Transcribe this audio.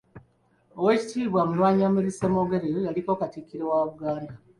Owekitiibwa Mulwanyammuli Ssemwogwrere yaliko katikkiro wa Buganda.